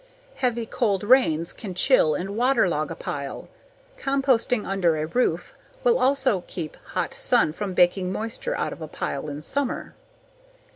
Heavy, cold rains can chill and waterlog a pile. Composting under a roof will also keep hot sun from baking moisture out of a pile in summer.